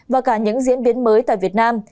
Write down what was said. và cả những diễn biến mới tại việt nam